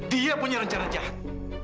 dia punya rencana jahat